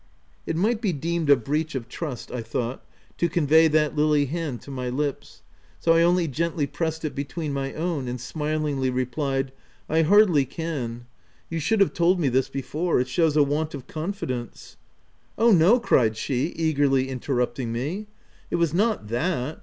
It might be deemed a breach of trust, I thought, to convey that lily hand to my lips, so I only gently pressed it between my own, and smilingly replied, —" I hardly can. You should have told me this before. It shows a want of confidence —" "Oh, no," cried she, eagerly interrupting me, " it was not that